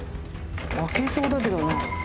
開きそうだけどな。